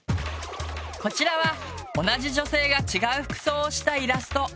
こちらは同じ女性が違う服装をしたイラスト。